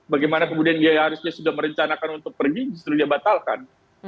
bagaimana kemudian dia harusnya sudah merencanakan untuk pergi justru dia batalkan